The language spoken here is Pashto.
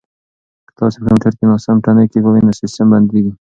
که تاسي په کمپیوټر کې ناسم تڼۍ کېکاږئ نو سیسټم بندیږي.